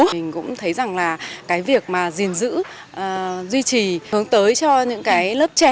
mình cũng thấy rằng là cái việc mà gìn giữ duy trì hướng tới cho những cái lớp trẻ